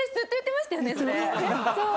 そう！